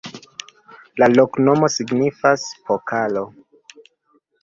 La loknomo signifas: pokalo.